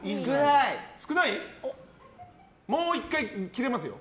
もう１回切れますよ。